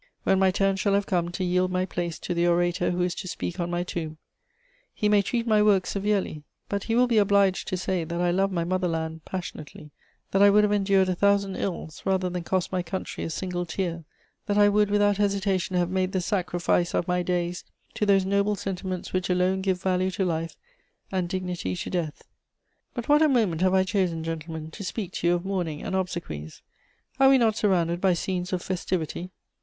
"When my turn shall have come to yield my place to the orator who is to speak on my tomb, he may treat my works severely, but he will be obliged to say that I loved my mother land passionately, that I would have endured a thousand ills rather than cost my country a single tear, that I would without hesitation have made the sacrifice of my days to those noble sentiments which alone give value to life and dignity to death. "But what a moment have I chosen, gentlemen, to speak to you of mourning and obsequies! Are we not surrounded by scenes of festivity?